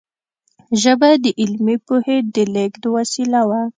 ژبه د علمي پوهې د لېږد وسیله وه.